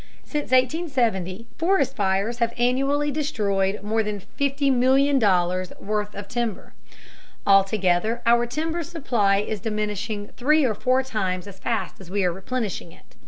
Since 1870 forest fires have annually destroyed more than $50,000,000 worth of timber. Altogether our timber supply is diminishing three or four times as fast as we are replenishing it.